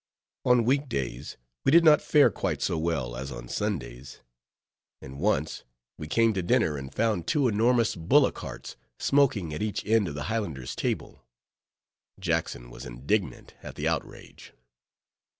_ On week days, we did not fare quite so well as on Sundays; and once we came to dinner, and found two enormous bullock hearts smoking at each end of the Highlanders' table. Jackson was indignant at the outrage.